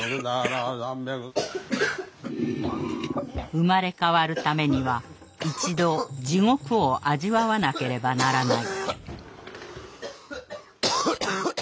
・「生まれ変わるためには一度地獄を味わわなければならない」。